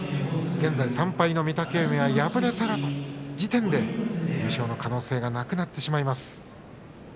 現在３敗の御嶽海は敗れた時点で優勝の可能性がなくなってしまいます。